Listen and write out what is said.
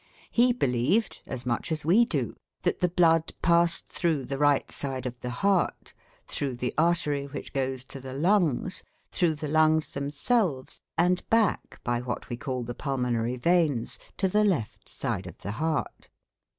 He believed, as much as we do, that the blood passed through the right side of the heart, through the artery which goes to the lungs, through the lungs themselves, and back by what we call the pulmonary veins to the left side of the heart.